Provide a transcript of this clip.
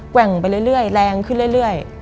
่งไปเรื่อยแรงขึ้นเรื่อย